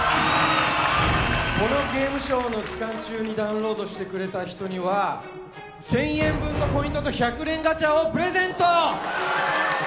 このゲームショーの期間中にダウンロードしてくれた人には１０００円分のポイントと１００連ガチャをプレゼント！